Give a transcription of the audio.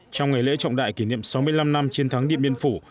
trong ngày lễ trọng đại kỷ niệm sáu mươi năm năm chiến thắng điện biên phủ